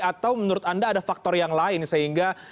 atau menurut anda ada faktor yang lain sehingga